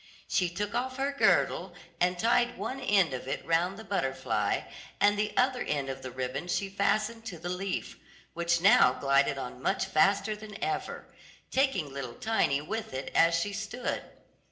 She took off her girdle and tied one end of it round the butterfly, and the other end of the ribbon she fastened to the leaf, which now glided on much faster than ever, taking little Tiny with it as she stood.